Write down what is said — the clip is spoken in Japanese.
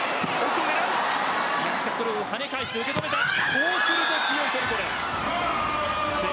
こうなると強いトルコです。